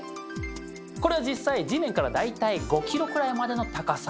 これは実際地面から大体５ｋｍくらいまでの高さ。